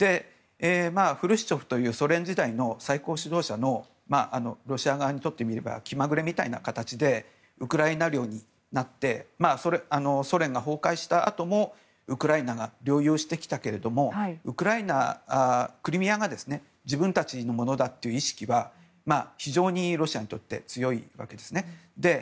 フルシチョフというソ連時代の最高指導者のロシア側にとってみれば気まぐれみたいな形でウクライナ領になってソ連が崩壊したあともウクライナが領有してきたけどもクリミアが自分たちのものだという意識は非常にロシアにとって強いわけです。